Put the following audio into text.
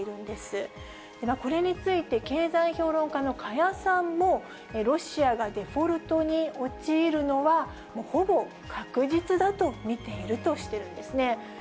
ではこれについて、経済評論家の加谷さんも、ロシアがデフォルトに陥るのは、もうほぼ確実だと見ているとしているんですね。